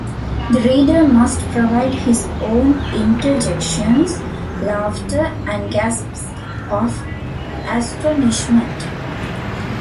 The reader must provide his own interjections, laughter and gasps of astonishment.